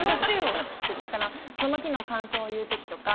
だからその日の感想を言う時とか。